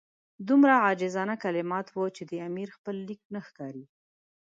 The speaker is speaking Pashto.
دومره عاجزانه کلمات وو چې د امیر خپل لیک نه ښکاري.